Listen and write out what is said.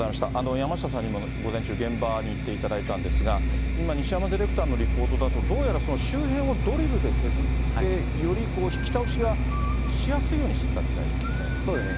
山下さんにも午前中、現場に行っていただいたんですが、今、西山ディレクターのリポートだと、どうやら周辺をドリルで削って、より引き倒しがしやすいようにしてたみたいですね。